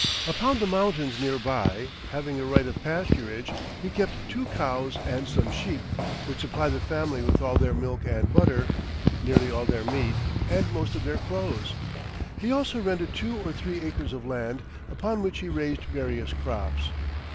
Upon the mountains near by, having a right of pasturage, he kept two cows and some sheep, which supplied the family with all their milk and butter, nearly all their meat, and most of their clothes. He also rented two or three acres of land, upon which he raised various crops.